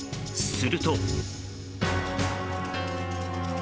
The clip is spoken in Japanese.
すると。